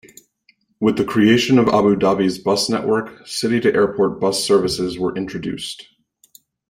With the creation of Abu Dhabi's bus network, city-to-airport bus services were introduced.